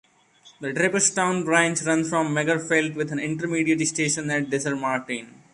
The Draperstown branch ran from Magherafelt with an intermediate station at Desertmartin.